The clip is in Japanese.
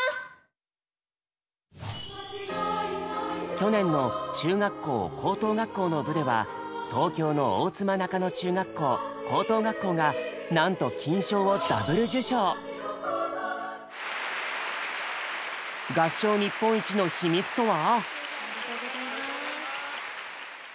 去年の中学校・高等学校の部では東京の大妻中野中学校・高等学校がなんと金賞を合唱日本一の秘密とは？